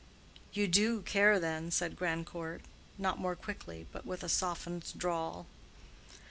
"You do care, then," said Grandcourt, not more quickly, but with a softened drawl.